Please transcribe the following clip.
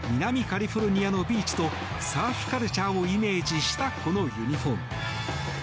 カリフォルニアのビーチとサーフカルチャーをイメージしたこのユニホーム。